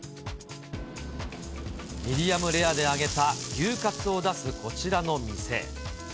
ミディアムレアで焼き上げた牛かつを出すこちらの店。